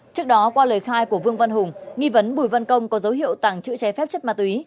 trước đó qua lời khai của vương văn hùng nghi vấn bùi văn công có dấu hiệu tặng chữ chế phép chất ma túy